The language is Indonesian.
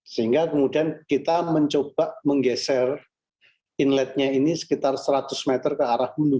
sehingga kemudian kita mencoba menggeser inletnya ini sekitar seratus meter ke arah hulu